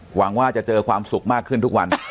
หวังว่าจะเจอความสุขมากขึ้นทุกวัน